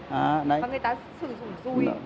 và người ta sử dụng dùi